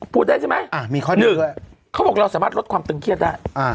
พูดได้ใช่ไหมมีข้อหนึ่งเขาบอกเราสามารถลดความตึงเครียดได้